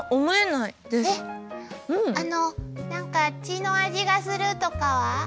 あの何か血の味がするとかは？